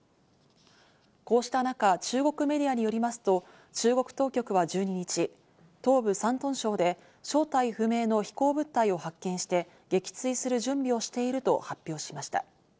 こうした中、中国メディアによりますと中国当局は１２日、東部・山東省で正体不明の飛行物体を発見して撃墜する準備をしていると発表しました。